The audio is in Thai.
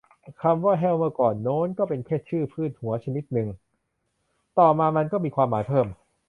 คำว่า แห้ว เมื่อก่อนโน้น ก็เป็นแค่ชื่อพืชหัวชนิดนึง ต่อมามันก็มีความหมายเพิ่ม